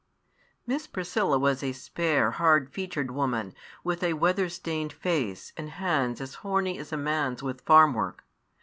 Miss Priscilla was a spare, hard featured woman, with a weather stained face, and hands as horny as a man's with farm work.